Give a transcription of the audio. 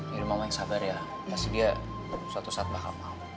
jadi mama yang sabar ya pasti dia suatu saat bakal mau